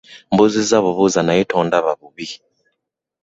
Mbuuzizza bubuuza naye tondaba bubi.